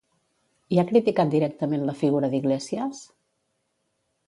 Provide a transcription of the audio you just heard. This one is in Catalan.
I ha criticat directament la figura d'Iglesias?